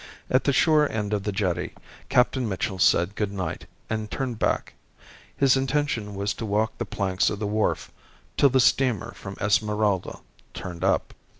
At the shore end of the jetty, Captain Mitchell said good night and turned back. His intention was to walk the planks of the wharf till the steamer from Esmeralda turned up.